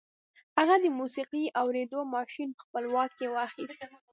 هغه د موسیقي اورېدو ماشين په خپل واک کې واخیست